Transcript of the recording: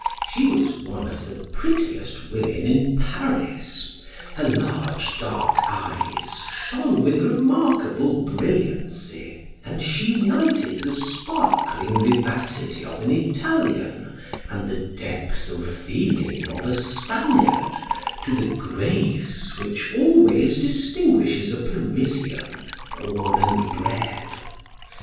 She was one of the prettiest women in Paris; her large dark eyes shone with remarkable brilliancy, and she united the sparkling vivacity of an Italian and the depth of feeling of a Spaniard to the grace which always distinguishes a Parisian born and bred.